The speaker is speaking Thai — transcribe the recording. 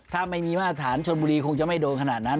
ถ้าไม่มีมาตรฐานชนบุรีคงจะไม่โดนขนาดนั้น